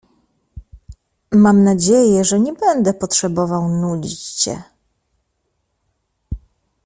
"Mam nadzieję, że nie będę potrzebował nudzić cię."